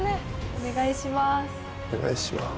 お願いします。